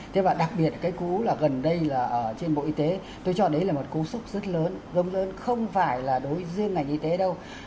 thế và đặc biệt cái cú là gần đây là ở trên bộ y tế tôi cho đấy là một cú sốc rất lớn gâm lớn không phải là đối với riêng ngành y tế đâu